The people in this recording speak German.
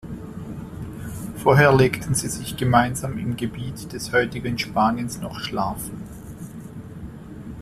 Vorher legten sie sich gemeinsam im Gebiet des heutigen Spaniens noch schlafen.